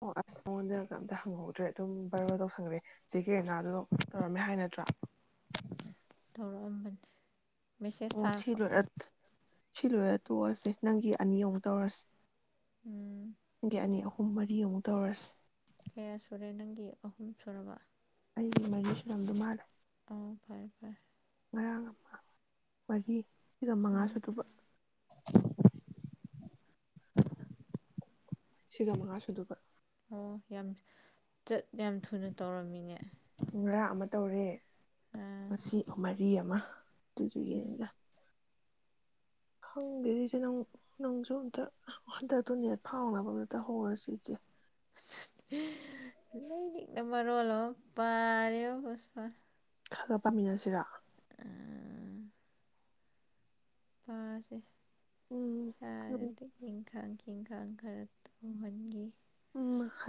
ꯑꯣ ꯑꯁ ꯅꯉꯣꯟꯗ ꯀꯝꯇ ꯍꯪꯍꯧꯗ꯭ꯔꯦ ꯑꯗꯨꯝ ꯕꯥꯔꯣ ꯇꯧꯁꯪꯈ꯭ꯔꯦ ꯆꯦ ꯀꯤꯔꯤꯅꯗꯨꯗꯨꯝ ꯇꯧꯔꯝꯃꯦ ꯍꯥꯏ ꯅꯠꯇ꯭ꯔꯥ ꯇꯧꯔꯛꯑꯃꯕꯅꯦ ꯑꯣ ꯁꯤ ꯂꯣꯏꯔꯠꯇ ꯁꯤ ꯂꯣꯏꯔ ꯇꯣꯛꯑꯁꯦ ꯅꯪꯒꯤ ꯑꯅꯤ ꯑꯨꯛ ꯇꯧꯔꯁꯤ ꯎꯝ ꯅꯡꯒꯤ ꯑꯅꯤ ꯑꯍꯨꯝ ꯃꯔꯤ ꯑꯥꯃꯨꯛ ꯇꯧꯔ꯭ꯁꯦ ꯀꯌꯥ ꯁꯨꯔꯦ ꯅꯪꯒꯤ ꯑꯍꯨꯝ ꯁꯨꯔꯕ ꯑꯩꯒꯤ ꯃꯔꯤꯁꯨꯔꯝꯗꯧ ꯃꯂꯦ ꯑꯣ ꯐꯥꯔꯦ ꯐꯥꯔꯦ ꯃꯔꯥꯡ ꯑꯃ ꯃꯔꯤ ꯁꯤꯒꯥ ꯃꯉꯥ ꯎꯝ ꯁꯨꯗꯨꯕ ꯁꯤꯒꯥ ꯃꯉꯥ ꯁꯨꯗꯨꯕ ꯑꯣ ꯌꯥꯝ ꯆꯠ ꯌꯥꯝ ꯊꯨꯅ ꯇꯧꯔꯝꯃꯤꯅꯦ ꯉꯔꯥꯡ ꯑꯃ ꯇꯧꯔꯦ ꯑꯥ ꯃꯁꯤ ꯎꯃꯔ ꯄꯤ ꯑꯃ ꯇꯨꯖꯤ ꯎꯝ ꯌꯦꯉꯒꯥ ꯈꯪꯗꯔꯤꯁꯦ ꯅꯪ ꯅꯪꯁꯨ ꯑꯝꯇ ꯍꯟꯗꯛꯇꯨꯅꯦꯠ ꯐꯥꯎꯅꯕ ꯑꯝꯇ ꯍꯧꯔꯁꯤ ꯏꯆꯦ ꯂꯩꯅꯤꯡꯅ ꯃꯔꯣꯜ ꯑꯃ ꯄꯥꯔꯦꯕ ꯁꯥ ꯈꯔ ꯄꯥꯃꯤꯟꯅꯁꯤꯔꯥ ꯑꯥ ꯄꯥꯁꯦ ꯎꯝ ꯁꯥ ꯔꯥ ꯗꯤ ꯏꯪ ꯈꯥꯡ ꯈꯤꯡ ꯏꯤꯡꯈꯥꯡ ꯈꯔ ꯇꯣꯡꯍꯟꯒꯦ ꯎꯝ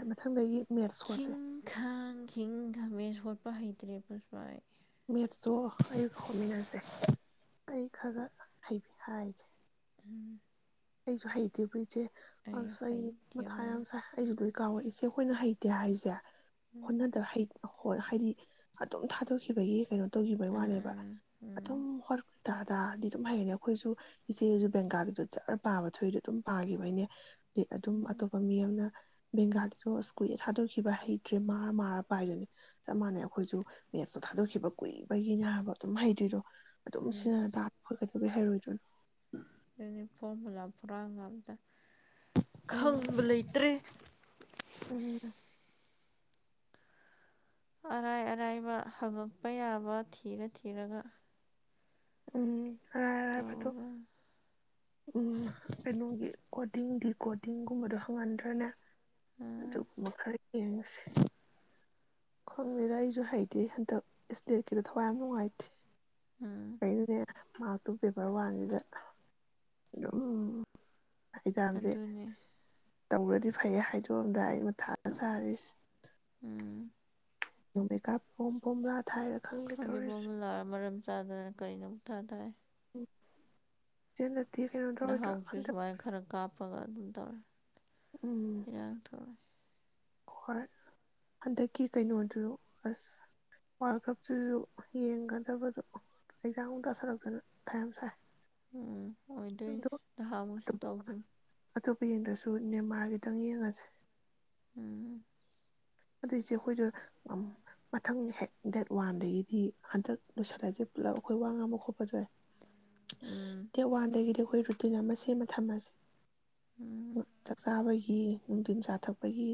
ꯃꯊꯪꯗꯒꯤ ꯃꯦꯠꯁ ꯁꯣꯠꯁꯦ ꯈꯤꯡꯈꯥꯡ ꯍꯪꯒ ꯒꯥꯃꯦꯖ ꯍꯣꯠꯄ ꯍꯩꯇ꯭ꯔꯦ ꯄꯨꯠꯄ ꯑꯩ ꯃꯦꯠꯁꯇꯣ ꯑꯩ ꯍꯣꯃꯤꯟꯅꯁꯦ ꯑꯩ ꯈ ꯒ ꯍꯥꯏꯒꯦ ꯎꯝ ꯑꯩꯁꯨ ꯍꯩꯇꯦꯕꯣ ꯏꯆꯦ ꯑꯁ ꯑꯩ ꯃꯊꯥ ꯌꯥꯝ ꯁꯥꯏ ꯑꯩꯁꯨ ꯂꯣꯏ ꯀꯥꯎꯔꯛꯏ ꯏꯆꯦ ꯑꯩꯈꯣꯏꯅ ꯍꯩꯇꯦ ꯍꯥꯏꯖꯦ ꯎꯝ ꯍꯣꯠꯅꯗꯕ ꯍꯩ ꯍꯣ ꯍꯥꯏꯗꯤ ꯑꯗꯨꯝ ꯊꯥꯗꯣꯛꯈꯤꯕꯒꯤ ꯀꯩꯅꯣ ꯇꯧꯈꯤꯕꯩ ꯑꯥ ꯋꯥꯅꯦꯕ ꯑꯥ ꯎꯝ ꯑꯗꯨꯝ ꯍꯣꯠ ꯗꯥꯗꯥꯗꯤ ꯑꯗꯨꯝ ꯍꯩꯔꯤꯅꯦ ꯑꯩꯈꯣꯏꯁꯨ ꯏꯆꯦꯁꯨ ꯕꯦꯡꯒꯥꯜꯂꯤꯗꯨꯁꯨ ꯖꯔ ꯄꯥꯕ ꯊꯣꯛꯏꯗꯣ ꯑꯗꯨꯝ ꯄꯥꯒꯤꯕꯩꯅꯦ ꯑꯗꯨꯝ ꯎꯝ ꯑꯇꯣꯞꯄ ꯃꯤ ꯑꯃꯅ ꯕꯦꯡꯒꯥꯂꯤꯗꯣ ꯑꯁ ꯀꯨꯏꯔꯦ ꯊꯥꯗꯣꯛꯈꯤꯕ ꯍꯩꯇ꯭ꯔꯦ ꯃꯥꯔ ꯃꯥꯔ ꯄꯥꯏꯗꯨꯅꯦ ꯆꯞ ꯃꯥꯟꯅꯩ ꯑꯩꯈꯣꯏꯁꯨ ꯃꯦꯠꯁꯇꯣ ꯊꯥꯗꯣꯛꯈꯤꯕ ꯀꯨꯏꯕꯒꯤꯅꯦ ꯍꯥꯏꯕ ꯑꯗꯨꯝ ꯍꯩꯇ꯭ꯔꯤꯗꯣ ꯑꯗꯨꯝ ꯎꯝ ꯁꯤꯅ ꯗ ꯍꯩꯔꯣꯏꯗ꯭ꯔꯣ ꯌꯅꯤ ꯐꯣꯔꯃꯨꯂꯥ ꯐꯔꯒ ꯑꯝꯇ ꯎꯝ ꯈꯪꯕ ꯂꯩꯇ꯭ꯔꯦ ꯎꯝ ꯑꯔꯥꯏ ꯑꯔꯥꯏꯕ ꯍꯪꯉꯛꯄ ꯌꯥꯕ ꯊꯤꯔ ꯊꯤꯔꯒ ꯎꯝ ꯑꯔꯥꯏ ꯑꯔꯥꯏꯕꯗꯣ ꯇꯧꯒꯗꯝꯅꯤ ꯎꯝ ꯀꯩꯅꯣꯒꯤ ꯀꯣꯗꯤꯡ ꯗꯤ ꯀꯣꯗꯤꯡꯒꯨꯝꯕꯗꯣ ꯍꯪꯒꯟꯗ꯭ꯔꯅꯦ ꯑꯗꯨ ꯎꯝ ꯃꯈꯩ ꯌꯦꯁ ꯈꯪꯗꯦꯗ ꯑꯩꯁꯨ ꯍꯩꯇꯦ ꯍꯟꯗꯛ ꯏꯁꯇꯦꯠꯀꯤꯗꯣ ꯊꯋꯥꯏ ꯌꯥꯝ ꯅꯨꯡꯉꯥꯏꯇꯦ ꯎꯝ ꯀꯩꯒꯤ ꯃꯥꯔ ꯇꯨ ꯄꯦꯄꯔ ꯋꯥꯟꯁꯤꯗ ꯑꯗꯨꯝ ꯑꯦꯛꯖꯥꯝꯁꯦ ꯑꯗꯨꯅꯤ ꯇꯧꯔꯗꯤ ꯐꯩꯌꯦ ꯍꯥꯏꯗꯣꯛ ꯑꯝꯗꯥꯏ ꯃꯊꯥ ꯌꯥꯝ ꯁꯥꯔꯤꯖꯦ ꯎꯝ ꯃꯦ ꯀꯞ ꯐꯣꯝ ꯐꯣꯝ ꯔ ꯈꯪꯗꯦ ꯕꯣꯝꯕꯨꯂꯥꯔ ꯃꯔꯝ ꯆꯥꯗꯅ ꯀꯔꯤꯅꯣ ꯑꯃꯨꯛ ꯊꯥꯔꯤꯁꯦ ꯇꯥꯏ ꯆꯦꯅ ꯊ ꯀꯩꯅꯣ ꯇꯧꯔꯣꯏꯗ꯭ꯔꯣ ꯍꯟꯗꯛꯁ ꯄꯒ ꯑꯗꯨꯝ ꯊꯧꯂꯦ ꯏꯔꯥꯡ ꯊꯧꯋꯦ ꯍꯣꯏ ꯍꯟꯗꯛꯀꯤ ꯀꯩꯅꯣꯗꯨ ꯑꯁ ꯋꯥꯔꯜ ꯀꯞꯇꯨꯖꯨ ꯌꯦꯡꯒꯗꯕꯗꯣ ꯑꯦꯛꯖꯥꯝ ꯑꯃꯨꯛ ꯇꯁꯜꯂꯛꯇꯅ ꯃꯥꯊꯥ ꯌꯥꯝꯁꯥꯏ ꯎꯝ ꯑꯣꯏꯗꫭꯏꯅꯦ ꯅꯍꯟ ꯃꯨꯛꯁꯨ ꯑꯇꯣꯞꯄ ꯇꯧꯒꯤꯝꯅꯤ ꯑꯇꯣꯞꯄ ꯌꯦꯡꯗ꯭ꯔꯁꯨ ꯅꯦꯃꯥꯔꯒꯤ ꯈꯤꯇꯪ ꯌꯦꯡꯉꯁꯦ ꯎꯝ ꯑꯗꯨ ꯏꯆꯦ ꯑꯩꯈꯣꯏꯗꫭ ꯃꯊꯪ ꯍꯦꯛ ꯗꯦꯠ ꯋꯥꯟꯗꯒꯤꯗꯤ ꯍꯟꯗꯛ ꯂꯨꯁꯜꯂꯖꯦ ꯍ ꯄꯨꯂꯞ ꯑꯩꯈꯣꯏ ꯋꯥ ꯉꯥꯡꯕ ꯈꯣꯠꯄꯖꯦ ꯎꯝ ꯗꯦꯠ ꯋꯥꯥꯟꯗꯒꯗꯤ ꯑꯩꯈꯣꯏ ꯔꯨꯇꯤꯟ ꯑꯃ ꯁꯦꯝꯃ ꯊꯝꯃꯥꯖꯦ ꯎꯝ ꯆꯥꯛ ꯆꯥꯕꯒꯤ ꯅꯨꯡꯗꯤꯟ ꯆꯥꯊꯛꯄꯒꯤ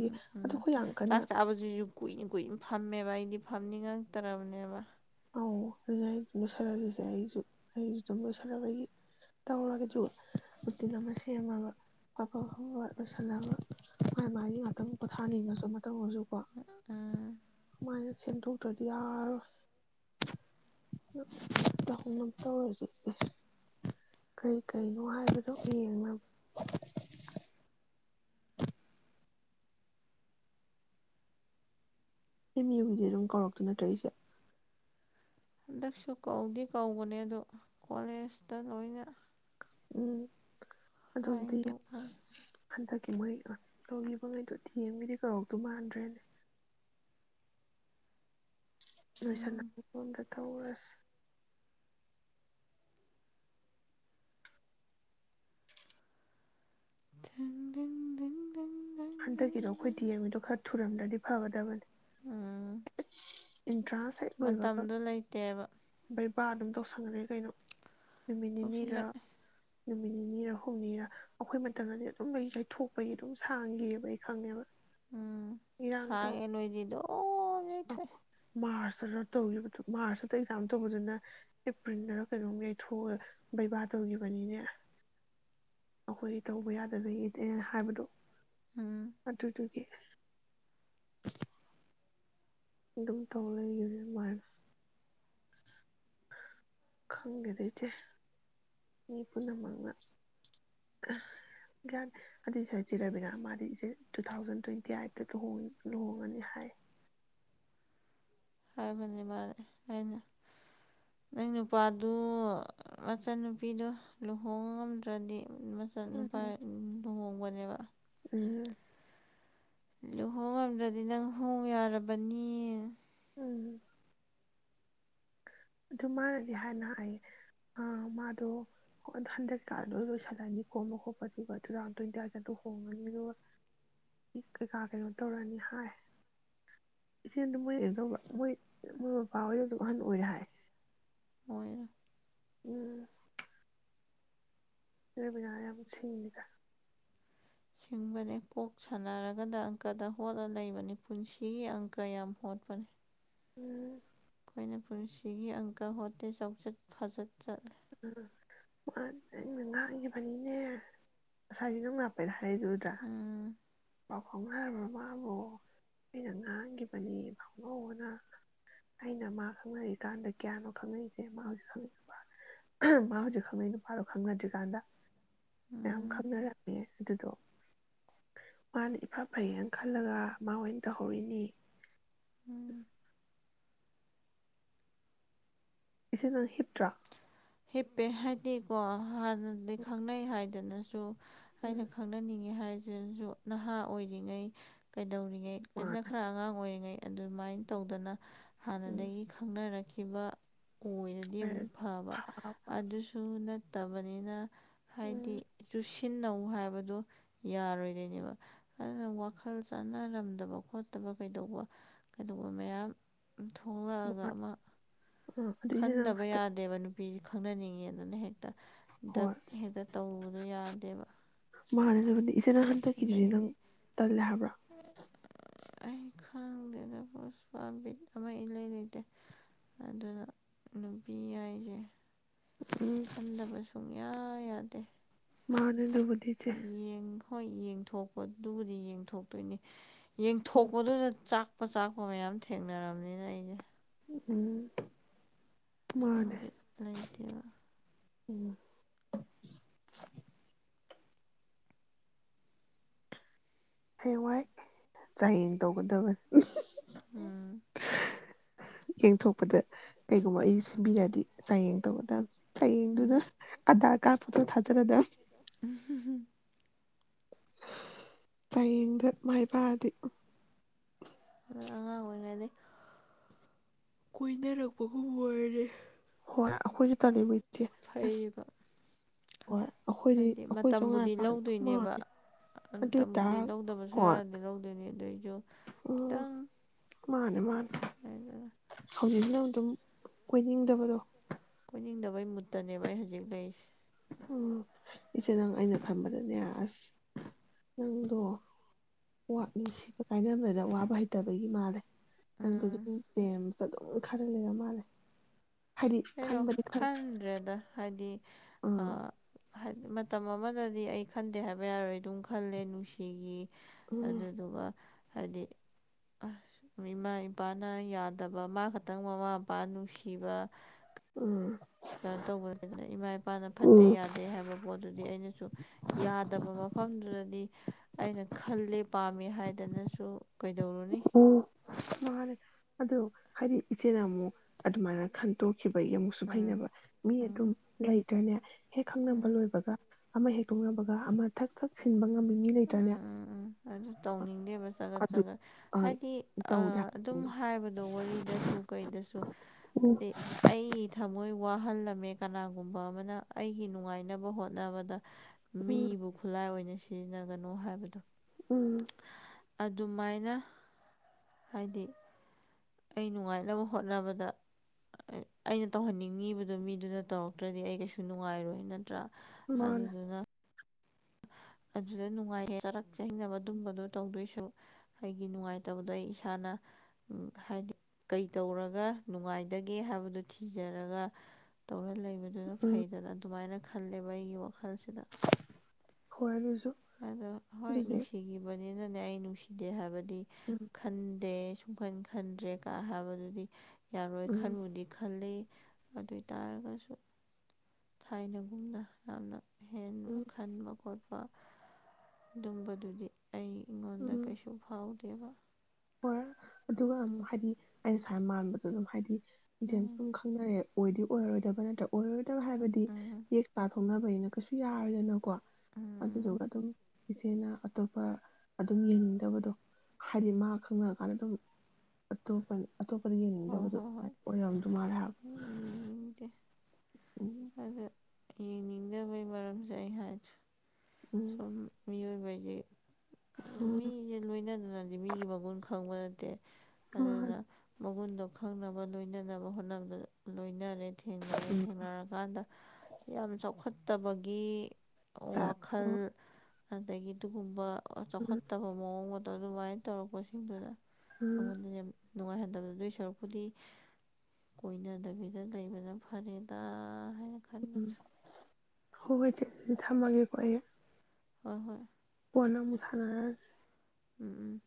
ꯎꯝ ꯄꯥꯒꯤ ꯎꯝ ꯆꯥꯛ ꯆꯥꯕꯖꯤꯖꯨ ꯀꯨꯏꯅ ꯀꯨꯏꯅ ꯐꯝꯃꯦꯕ ꯑꯩꯗꯤ ꯐꯝꯅꯤꯡꯉꯛ ꯇꯔꯕꯅꯦꯕ ꯑꯣ ꯑꯗꯨꯅ ꯑꯩ ꯂꯣꯏꯁꯤꯜꯂꯁꯤꯁꯦ ꯑꯩꯁꯨ ꯑꯩꯁꯨ ꯑꯗꯨꯝ ꯂꯣꯏꯁꯤꯜꯂꯕꯒꯤ ꯇꯧꯔꯒꯁꯨ ꯔꯨꯇꯤꯟ ꯑꯃ ꯁꯦꯝꯃꯒ ꯑꯐ ꯐꯐꯕ ꯂꯣꯏꯁꯤꯜꯂꯒ ꯃꯥꯥꯏ ꯃꯥꯥꯏꯒꯤ ꯉꯥꯛꯇꯪ ꯄꯣꯊꯥꯅꯤꯡꯉꯁꯨ ꯃꯇꯝꯧꯒꯁꯨ ꯀꯣ ꯎꯝ ꯑꯗꯨꯃꯥꯏꯅ ꯁꯦꯟꯗꯣꯛ ꯅꯠꯇ꯭ꯌꯗꯤ ꯌꯥꯔꫭꯏ [unintelligible] ꯇꯍꯧꯅꯕ ꯇꯧꯔꯖꯩ ꯀꯩ ꯀꯩꯅꯣ ꯍꯥꯏꯕꯗꫭ ꯌꯦꯡꯅꯕ ꯑꯦꯝ ꯌꯨ ꯒꯤꯗꯤ ꯑꯗꯨꯝ ꯀꯥꯎꯔꯛꯇꯨ ꯅꯠꯇ꯭ꯔ ꯏꯆꯦ ꯍꯟꯗꯛꯁꯨ ꯀꯧꯗꯤ ꯀꯧꯕꯅꯦ ꯑꯗꯨ ꯀꯣꯂꯦꯁꯇ ꯂꯣꯏꯅ ꯎꯝ ꯑꯗꯝꯗꯤ ꯍꯥꯏꯗꯣꯛꯍꯟ [unintelligible] ꯍꯟꯗꯛꯀꯤ ꯃꯣꯏ ꯇꯧꯒꯤꯕꯉꯩꯗꯣ ꯗꯤ ꯌꯦꯝ ꯒꯤꯗꯤ ꯀꯧꯔꯥꯛꯇꯧ ꯃꯥꯟꯗ꯭ꯔꯦꯅꯦ ꯂꯣꯏꯁꯜ ꯎꯝ ꯂꯛ [unintelligible] ꯇꯧꯔꯁꯦ [unintelligible] ꯗꯪ ꯍꯟꯗꯛꯀꯤꯗꯣ ꯑꯈꯣꯏ ꯗꯪ ꯗꯤ ꯑꯦꯝ ꯒꯤꯗꯣ ꯈꯔ ꯊꯨꯔꯝꯗ꯭ꯔꯗꯤ ꯐꯒꯗꯕꯅꯤ [unintelligible] ꯍꯦꯛ ꯃꯇꯝꯗꫭ ꯂꯩꯇꯦꯕ ꯏꯄꯥ ꯑꯗꯨꯝ ꯇꯧꯁꯟꯒ꯭ꯔꯦ ꯀꯩꯅꯣ ꯅꯨꯃꯤꯠ ꯅꯤꯅꯤꯔ ꯇꯧꯁꯤꯜꯂꯛꯑꯦ ꯅꯨꯃꯤꯠ ꯅꯤꯅꯤꯔ ꯍꯨꯝꯅꯤꯔ ꯑꯩꯈꯣꯏ ꯃꯇꯝꯗꯗꯤ ꯑꯗꯨꯝ ꯂꯩꯊꯣꯛꯄꯒꯤ ꯑꯗꯨꯝ ꯁꯥꯡ ꯒꯤꯑꯕ ꯑꯩ ꯈꯪꯉꯦꯕ ꯎꯝ ꯁꯥꯛꯉꯩ ꯅꯣꯏꯗꯤ ꯑꯗꯨꯝ ꯑ ꯌꯩꯊꯣꯛꯑꯦ ꯃꯥꯔꯁ ꯇꯧꯒꯤꯕꯗꯨ ꯃꯥꯔꯁꯇ ꯑꯦꯛꯖꯥꯝ ꯇꯧꯕꯗꯨꯅ ꯑꯦꯄ꯭ꯔꯤꯜꯗꯔ ꯀꯩꯅꯣꯝ ꯌꯥꯏꯊꯣꯛꯑ ꯚꯩꯚꯥ ꯇꯧꯒꯤꯕꯅꯤꯅꯦ꯫ ꯑꯩꯈꯣꯏ ꯇꯧꯕ ꯌꯥꯗꯕꯒꯤꯗꯅ ꯍꯥꯏꯕꯗꯣ ꯑꯥ [inaudible] ꯑꯗꯨꯝ ꯇꯧ ꯂꯩꯒꯔꯦ ꯑꯗꯨꯃꯥꯏꯅ ꯈꯪꯗꯦꯗ ꯏꯆꯦ ꯃꯤ ꯄꯨꯝꯅꯃꯛꯅ ꯒ꯭ꯌꯥꯅꯤ ꯑꯗꯨꯏ ꯁꯥꯏꯗꯁꯤ ꯔꯥꯕꯤꯅꯥ ꯃꯥꯗꯤ ꯏꯆꯦ ꯇꯨ ꯊꯥꯎꯖꯟ ꯇ꯭ꯋꯦꯟꯇꯤ ꯑꯥꯏꯠꯇ ꯂꯨꯍꯣꯡ ꯂꯨꯍꯣꯡꯉꯅꯤ ꯍꯥꯏ ꯍꯥꯏꯕꯅꯤ ꯃꯥꯗꯤ ꯑꯩꯅ ꯅꯪ ꯅꯨꯄꯥꯗꯨ ꯃꯆꯟꯅꯨꯄꯤꯗꯣ ꯂꯨꯍꯣꯡꯕ ꯉꯝꯗ꯭ꯔꯗꯤ ꯃꯆꯥ ꯅꯨꯄꯥꯏ ꯎꯝ ꯂꯨꯍꯣꯡꯕꯅꯦꯕ ꯎꯝ ꯂꯨꯍꯣꯡꯉꯝꯗ꯭ꯔꯗꯤ ꯅꯪ ꯍꯣꯡ ꯌꯥꯔꯕꯅꯤ ꯎꯝ ꯑꯗꯨ ꯃꯥꯅꯗꯤ ꯍꯥꯟꯅ ꯍꯥꯏꯌꯦ ꯃꯥꯗꯣ ꯍꯟꯗꯛ ꯊꯥꯗꯣ ꯂꯣꯏꯁꯤꯜꯂꯅꯤ ꯈꯣꯝꯕ ꯈꯣꯠꯄ ꯑꯗꯨꯒ ꯇꯨ ꯊꯥꯎꯖꯟ ꯇ꯭ꯋꯦꯟꯇꯤ ꯑꯥꯏꯠꯇ ꯂꯨꯍꯣꯡꯉꯅꯤ ꯑꯗꯨꯒ ꯀꯩꯀꯥ ꯀꯩꯅꯣ ꯇꯧꯔꯅꯤ ꯍꯥꯏ꯫ ꯏꯆꯦꯗꯣ ꯃꯣꯏ ꯀꯩꯅ ꯇꯧꯕ ꯃꯣꯏ ꯃꯣꯏ ꯃꯄꯥꯍꯣꯏꯗ ꯑꯗꯨꯝ ꯑꯍꯟ ꯑꯣꯏꯔꯦ ꯍꯥꯏ ꯐꯩꯌꯦꯅ ꯎꯝ ꯄꯩꯁꯥ ꯑꯃꯨꯛ ꯁꯤꯡꯅꯤꯗ ꯁꯤꯡꯕꯅꯦ ꯀꯣꯛ ꯁꯥꯟꯅꯔꯒꯗ ꯑꯪꯀꯗ ꯍꯣꯠꯂ ꯂꯩꯕꯅꯤ ꯄꯨꯟꯁꯤꯒꯤ ꯑꯪꯀ ꯌꯥꯝ ꯍꯣꯠꯄꯅꯦ ꯎꯝ ꯑꯩꯅ ꯄꯨꯟꯁꯤꯒꯤ ꯑꯪꯀ ꯍꯣꯠꯇꯦ ꯆꯥꯎꯆꯠ ꯐꯖꯠ ꯆꯠꯂ ꯎꯝ ꯃꯥꯅꯦ ꯑꯩꯅ ꯉꯥꯡꯒꯤꯕꯅꯤꯅꯦ꯫ ꯉꯁꯥꯏꯗꯤ ꯅꯪ ꯂꯥꯛꯄꯩꯗ ꯍꯥꯏ ꯂꯨꯗꯔ ꯎꯝ ꯐꯥꯎꯅꯔꯕꯔꯥ ꯃꯥꯕꯣ ꯑꯩꯅ ꯉꯥꯡꯒꯤꯕꯅꯤ ꯐꯥꯎꯅꯧꯅ ꯑꯩꯅ ꯃꯥ ꯈꯪꯅꯔꯤꯀꯥꯟꯗ ꯀꯌꯥꯅꯣ ꯈꯪꯅꯩꯖꯦ ꯃꯥ ꯍꯧꯖꯤꯛ ꯈꯪꯅꯩ ꯅꯨꯄꯥꯗꯨ ꯃꯥ ꯍꯧꯖꯤꯛ ꯈꯪꯅꯩ ꯅꯨꯄꯥꯗꯨ ꯈꯪꯅꯗ꯭ꯔꯤꯀꯥꯟꯗ ꯎꯝ ꯈꯪꯅꯔꯝꯃꯦ꯫ ꯑꯗꯨꯗꯣ ꯃꯥꯅ ꯏꯐ ꯐꯩꯅ ꯈꯜꯂꯒ ꯃꯥꯑꯣꯏ ꯇꯧꯍꯧꯔꯤꯅꯤ ꯎꯝ ꯑꯗ ꯅꯪ ꯍꯤꯞꯇ꯭ꯔꯥ ꯍꯤꯞꯄꯦ ꯍꯥꯏꯗꯤꯀꯣ ꯍꯥꯟꯅꯂꯗꯩ ꯈꯪꯅꯩ ꯍꯥꯏꯗ ꯍꯦꯟꯅꯁꯨ ꯑꯩꯅ ꯎꯝ ꯈꯪꯅꯅꯤꯡꯉꯤ ꯍꯥꯏꯖꯦ ꯖꯨ ꯅꯍꯥ ꯑꯣꯏꯔꯤꯉꯩ ꯀꯩ ꯇꯧꯔꯤꯉꯩ ꯗꯗꯅ ꯃꯥꯅ ꯈꯔ ꯑꯉꯥꯡ ꯑꯣꯏꯔꯤꯉꯩ ꯑꯗꯨꯃꯥꯏ ꯇꯧꯗꯅ ꯑ ꯎꯝ ꯍꯥꯟꯅꯗꯒꯤ ꯈꯪꯅꯔꯩ ꯈꯤꯕ ꯑꯣꯏꯅꯗꯤ ꯑꯃꯨꯛ ꯐꯕ ꯍꯣꯏꯄ ꯑꯗꯨꯁꯨ ꯅꯠ ꯇꯕꯅꯤꯅ ꯍꯥꯏꯗꯤ ꯎꯝ ꯆꯨꯁꯤꯟꯅꯧ ꯍꯥꯏꯕꯗꯨ ꯌꯥꯔꯣꯏꯗꯣꯏꯅꯦꯕ ꯑꯗꯨꯅ ꯋꯥꯈꯜ ꯆꯥꯟꯅꯔꯝꯗꯕ ꯈꯣꯠꯇꯕ ꯀꯩꯗꯧꯕ- ꯀꯩꯗꯧꯕ ꯃꯌꯥꯝ ꯊꯣꯡꯂꯛꯑꯒ ꯑꯃ ꯎꯝ ꯑꯗꯨ ꯏꯆꯦ ꯅꯪ ꯈꯟꯗꯕ ꯍꯟꯗꯛ ꯌꯥꯗꯦꯕ꯫ ꯅꯨꯄꯤꯁꯦ ꯈꯪꯅꯅꯤꯡꯉꯦꯗꯅ ꯍꯦꯛ ꯗꯛ ꯍꯣꯏ ꯍꯦꯛꯇ ꯇꯧꯔꯨꯕꯗꯣ ꯌꯥꯗꯦꯕ꯫ ꯃꯥꯅꯦ ꯑꯗꯨꯕꯨꯗꯤ ꯏꯆꯦ ꯅꯪ ꯍꯟꯗꯛꯀꯤꯗꯨꯗꯤ ꯑꯗꯒꯤꯗꯤ ꯅꯪ ꯇꯜꯂꯦ ꯍꯥꯏꯕ꯭ꯔꯥ? ꯑꯩ ꯈꯥꯡꯗꯦ ꯗ [unintelligible] ꯕꯤꯠ ꯑꯃꯥ ꯏꯂꯩ -ꯂꯩꯇꯦ ꯑꯗꯨꯅ ꯅꯨꯄꯤ ꯌꯥꯏꯁꯦ ꯎꯝ ꯈꯟꯗꯕ ꯁꯨꯡꯌꯥ ꯌꯥ ꯌꯥꯗꯦ꯫ ꯃꯥꯅꯦ꯫ ꯑꯗꯕꯨꯗꯤ ꯆꯦ꯫ ꯌꯦꯡ ꯍꯣꯏ ꯌꯦꯡꯊꯣꯛꯄꯗꯨꯕꯨꯗꯤ ꯌꯦꯡꯊꯣꯛꯇꯣꯏꯅꯤ ꯫ ꯎꯝ ꯌꯦꯡꯊꯣꯛꯄꯗꯨꯗ ꯆꯥꯛ ꯄ ꯆꯥꯛꯄ ꯃꯌꯥꯝ ꯊꯦꯡꯅꯔꯝꯅꯤꯅ ꯑꯩꯗꯤ꯫ ꯎꯝ꯫ ꯃꯥꯅꯦ ꯕꯤꯠ ꯂꯩꯇꯕ꯫ ꯎꯝ꯫ ꯍꯌꯦꯡꯋꯥꯏ ꯆꯥꯡꯌꯦꯡ ꯇꯧꯒꯗꯕꯅꯤ꯫ ꯎꯝ꯫ ꯌꯦꯡꯊꯣꯛꯄꯗ ꯀꯩꯒꯨꯝꯕ ꯑꯩ ꯁꯦꯝꯕꯤꯔꯗꯤ ꯆꯥꯡꯌꯦꯡ ꯇꯧꯒꯗꯝꯅꯤ꯫ ꯎꯝ ꯆꯌꯦꯡꯗꯨꯗ ꯑꯙꯔ ꯀꯥꯔꯗ ꯐꯣꯇꯣ ꯊꯥꯖꯜꯂꯗꯝ꯫ ꯆꯥꯡꯌꯦꯡꯗ ꯃꯥꯏ ꯄꯥꯛꯑꯗꯤ [inaudible] ꯍꯣꯏ ꯑꯩꯈꯣꯏꯁꯨ [unintelligible] ꯑꯁ ꯐꯩꯕ꯫ ꯍꯣꯏ ꯑꯩꯈꯣꯏꯗꯤ ꯍꯥꯏꯗꯤ ꯑꯩꯈꯣꯏꯁꯨ ꯃꯇꯝꯕꯨꯗꯤ ꯉꯥꯏꯀꯥꯟ ꯃꯥꯅꯦ ꯂꯧꯗꯣꯏꯅꯦꯕ ꯑꯗꯨ ꯃꯇꯝꯕꯨꯗꯤ ꯑꯣꯏꯇꯥꯔ ꯂꯧꯗꯕꯁꯨ ꯍꯣꯏ ꯌꯥꯔꯗꯤ ꯂꯧꯗꯣꯏꯅꯦ ꯑꯗꯨꯏ ꯎꯝ ꯈꯤꯇꯪ ꯃꯥꯅꯦ - ꯃꯥꯅꯦ꯫ ꯍꯥꯏꯗꯅ [unintelligible] ꯑꯗꯨꯝ ꯀꯣꯏꯅꯤꯡꯗꯕꯗꯣ꯫ ꯀꯣꯏꯅꯤꯡꯗꯕꯩ ꯃꯨꯠꯇꯅꯦꯕ ꯑꯩ ꯍꯧꯖꯤꯛ ꯂꯩꯔꯤꯁꯦ꯫ ꯎꯝ ꯏꯆꯦ ꯅꯪ ꯑꯩꯅ ꯈꯟꯕꯗꯅꯦ ꯑꯁ ꯅꯪꯗꯣ ꯅꯨꯡꯁꯤꯕ ꯀꯥꯏꯅꯕꯗ ꯋꯥꯕ ꯍꯩꯇꯕꯒꯤ ꯃꯥꯜꯂꯦ꯫ [unintelligible] ꯎꯝ ꯑꯗꯨꯝ ꯈꯜ ꯂ ꯂꯩꯔ ꯃꯥꯜꯂꯦ꯫ ꯍꯥꯏꯗꯤ ꯀꯩꯅꯣ ꯈꯟꯕꯗꯤ ꯈꯟꯗ꯭ꯔꯦꯗ ꯍꯥꯏꯗꯤ ꯑ ꯃꯇꯝ ꯑꯃꯗꯗꯤ ꯑꯩ ꯈꯟꯗꯦ ꯍꯥꯏꯕ ꯌꯥꯔꯣꯏ ꯑꯗꯨꯝ ꯈꯜꯂꯦ ꯅꯨꯡꯁꯤꯒꯤ꯫ ꯎꯝ ꯑꯗꯨꯗꯨꯒ ꯍꯥꯏꯗꯤ ꯑꯁ ꯏꯃꯥ ꯏꯄꯥꯅ ꯌꯥꯗꯕ ꯃꯥ ꯈꯛꯇꯪ ꯃꯃꯥ ꯃꯄꯥ ꯅꯨꯡꯁꯤꯕ꯫ ꯎꯝ꯫ ꯀ ꯇꯧꯕꯅꯦꯅ ꯏꯃꯥ ꯏꯄꯥꯅ ꯐꯠꯇꯦ ꯎꯝ ꯌꯥꯗꯦ ꯍꯥꯏꯕ ꯄꯣꯠꯇꯨꯗꯤ ꯑꯩꯅꯁꯨ ꯌꯥꯗꯕ ꯃꯐꯝꯗꯨꯗꯗꯤ ꯑꯩꯅ ꯈꯜꯂꯦ ꯄꯥꯝꯃꯦ ꯍꯥꯏ ꯑꯗꯨꯅꯁꯨ ꯀꯩꯗꯧꯔꯨꯅꯤ ꯃꯥꯅꯦꯦ ꯑꯗ ꯍꯥꯏꯗꯤ ꯏꯆꯦꯅ ꯑꯃꯨꯛ ꯑꯗꯨꯃꯥꯏꯅ ꯈꯟꯇꯣꯛ ꯈꯤꯕꯒꯤ ꯑꯃꯨꯛꯁꯨ ꯎꯝ ꯐꯩꯅꯕ ꯃꯤ ꯑꯗꯨꯝ ꯎꯝ ꯂꯩ ꯑꯗꯩꯩꯅꯦ ꯍꯦꯛ ꯈꯪꯅꯕ ꯎꯝ ꯂꯣꯏꯕꯒ ꯑꯃ ꯍꯦꯛꯇꯣꯛꯅꯕꯒ ꯑꯃ ꯊꯛ ꯊꯛ ꯁꯤꯟꯕ ꯉꯝꯕ ꯃꯤ ꯎꯝ ꯂꯩꯇ꯭ꯔꯅꯦ ꯎꯝ ꯎꯝ ꯑꯗꯨ ꯇꯧꯅꯤꯡꯗꯦꯕ ꯆꯒꯠ ꯑꯗꯨ ꯆꯒꯠ꯫ ꯍꯥꯏꯗꯤ ꯇꯧꯗꯦ ꯑꯗꯨꯝ ꯍꯥꯏꯕꯗꯣ ꯍꯥꯏꯕꯗꯣ ꯋꯥꯔꯤꯗꯁꯨ ꯀꯩꯗꯁꯨ ꯎꯝ ꯍꯥꯏꯗꯤ ꯑꯩ ꯊꯃꯣꯏ ꯃꯈꯣꯏ ꯋꯥꯍꯜꯂꯝꯃꯦ ꯀꯅꯥꯒꯨꯝꯕ ꯑꯃꯅ ꯑꯩꯒꯤ ꯅꯨꯡꯉꯥꯏꯅꯕ ꯍꯣꯠꯅꯕꯗ ꯎꯝ ꯃꯤꯕꯨ ꯈꯨꯠꯂꯥꯏ ꯑꯣꯏꯅ ꯁꯤꯅꯒꯅꯣ ꯍꯥꯏꯕꯗꯣ꯫ ꯎꯝ꯫ ꯑꯗꯨꯃꯥꯏꯅ ꯍꯥꯏꯗꯤ꯫ ꯑꯩ ꯅꯨꯡꯉꯥꯏꯅꯕ ꯍꯣꯠꯅꯕꯗ ꯑꯩꯅ ꯇꯧꯍꯟꯅꯤꯡꯉꯤꯕꯗ ꯃꯤꯗꯨꯅ ꯇꯧꯔꯛꯇ꯭ꯔꯗꯤ ꯑꯩ ꯀꯩꯁꯨ ꯅꯨꯡꯉꯥꯏꯔꯣꯏ ꯅꯠꯇ꯭ꯔꯥ꯫ ꯃꯥꯅꯦ ꯑꯗꯨꯗꯨꯅ꯫ ꯑꯗꯨꯗ ꯅꯨꯡꯉꯥꯏꯌꯦ ꯆꯔꯥꯛ ꯆꯍꯤꯡ ꯑꯗꯨꯝꯕꯗꯣ ꯇꯧꯗꯣꯏꯁꯨ ꯑꯩꯒꯤ ꯅꯨꯡꯉꯥꯏꯇꯕꯗꯣ ꯑꯩ ꯏꯁꯥꯅ ꯍꯥꯏꯗꯤ ꯀꯩ ꯇꯧꯔꯒ ꯅꯨꯡꯉꯥꯏꯗꯒꯦ ꯍꯥꯏꯕꯗꯨ ꯊꯤꯖꯔꯒ ꯇꯧꯔ ꯂꯩ꯫ ꯗꯨꯅ ꯎꯝ ꯐꯩꯗꯅ ꯑꯗꯨꯃꯥꯏꯅ ꯈꯜꯂꯦꯕ ꯑꯩꯒꯤ ꯋꯥꯈꯜꯁꯤꯗ꯫ ꯈꯋꯥ ꯑꯗꯨꯁꯤ ꯑꯗ ꯍꯣꯏ ꯅꯨꯡꯁꯤꯒꯤꯕ ꯅꯤꯅꯅꯦ ꯑꯩ ꯅꯨꯡꯁꯤꯗꯦ ꯍꯥꯏꯕꯗꯤ ꯗꯤ ꯎꯝ ꯈꯟꯗꯦ꯫ ꯁꯨꯝꯈꯟ ꯈꯟꯗ꯭ꯔꯦ ꯀ ꯍꯥꯏꯕꯗꯨꯗꯤ ꯌꯥꯔꯣꯏ ꯎꯝ ꯈꯟꯕꯨꯗꯤ ꯈꯜꯂꯤ꯫ ꯑꯗꯑꯣꯏ ꯇꯔꯒꯁꯨ꯫ ꯊꯥꯏꯅꯒꯨꯝꯅ ꯌꯥꯝꯅ꯫ ꯍꯦꯟ ꯎꯝ ꯈꯟꯕ ꯈꯣꯠꯄ꯫ ꯑꯗꯨꯝꯕꯗꯨꯗꯤ꯫ ꯑꯩ ꯑꯩꯉꯣꯟꯗ ꯎꯝ ꯀꯩꯁꯨ ꯐꯥꯎ [unintelligible] ꯍꯣꯏ ꯑꯗꯨꯒ ꯑꯃꯨꯛ ꯍꯥꯏꯗꯤ ꯑꯩꯅ ꯁꯨꯃꯥꯏ ꯃꯥꯟꯕꯗ ꯑꯗꯨꯝ ꯍꯥꯏꯗꯤ ꯎꯝ ꯁꯨꯝ ꯈꯪꯅꯔꯦ ꯑꯣꯏꯗꯤ ꯑꯣꯏꯔꯣꯏꯗꯕ ꯅꯠꯇ꯭ꯔꯣ? ꯑꯣꯏꯔꯣꯏꯗꯕ ꯍꯥꯏꯕꯗꯤ ꯎꯝ ꯌꯦꯛ ꯄꯥꯊꯣꯛꯅꯕ [unintelligible] ꯌꯥꯔꯣꯏꯗꯅꯀꯣ ꯑꯗꯨꯗꯨꯒ ꯎꯝ ꯑꯗꯨꯝ ꯏꯆꯦꯅ ꯑꯇꯣꯞꯄ ꯑꯗꯨꯝ ꯌꯦꯡꯅꯤꯡꯗꯕꯗꯣ ꯍꯥꯏꯗꯤ ꯃꯥ ꯈꯪꯅꯔ ꯀꯥꯟꯗ ꯑꯗꯨꯝ ꯑꯇꯣꯞꯄ ꯑꯇꯣꯞꯄꯗ ꯍꯣꯏ ꯌꯦꯡꯅꯤꯡꯗꯕꯗꯣ ꯍꯣꯏ ꯍꯣꯏ ꯑꯣꯏꯔꯝꯗꯨ ꯃꯥꯜꯂꯦ ꯍꯥꯏꯕ꯫ [unintelligible] ꯎꯝ꯫ ꯌꯦꯅꯤꯡꯗꯕꯩ ꯃꯔꯝꯖꯦ ꯑꯩ ꯍꯥꯏ ꯎꯝ ꯁꯨꯝ ꯃꯤꯌꯣꯏꯕ ꯖꯦ ꯎ ꯃꯤꯖ ꯂꯣꯏꯅꯗꯅꯗꯤ ꯃꯤꯒꯤ ꯃꯒꯨꯟ ꯈꯪꯕ ꯅꯠꯇꯦ꯫ ꯃꯥꯅꯤ ꯑꯗꯨꯅ ꯃꯒꯨꯟꯗꯣ ꯈꯪꯅꯕ ꯂꯣꯏꯅꯅꯕ ꯍꯣꯠꯅꯕꯗ ꯂꯣꯏꯅꯔꯦ ꯊꯦꯡꯅꯔꯦ ꯊꯦꯡꯅꯔꯀꯥꯟꯗ ꯌꯥꯝ ꯆꯥꯎꯈꯠ ꯇꯕꯒꯤ ꯍꯣ ꯋꯥꯈꯜ ꯑꯗꯒꯤ ꯑꯗꯨꯒꯨꯝꯕ ꯎꯝ ꯆꯥꯎꯈꯠꯇꯕ ꯃꯑꯣꯡ ꯃꯥꯇꯧ ꯑꯗꯨꯃꯥꯏꯅ ꯇꯧꯔꯛꯄꯁꯤꯡꯗꯨꯅ ꯎꯝ ꯑꯩꯉꯣꯟꯗꯅꯦ ꯅꯨꯡꯉꯥꯏꯍꯟꯗꯕ ꯑꯗꯨꯏ ꯁꯔꯨꯛꯄꯨꯗꯤ ꯀꯣꯏꯅꯗꯕꯤꯗ ꯂꯩꯕꯅ ꯐꯔꯦꯗ ꯍꯥꯏꯔ ꯈꯟꯕꯗꯨ ꯎꯝ ꯍꯣꯏ ꯍꯣꯏ ꯆꯦ ꯑꯗꯨꯗꯤ ꯊꯝꯃꯒꯦꯀꯣ ꯑꯩ ꯍꯣꯏ ꯍꯣꯏ ꯀꯣꯟꯅꯥ ꯑꯃꯨꯛ ꯁꯥꯟꯅꯔꯖꯦ ꯎꯝ ꯎꯝ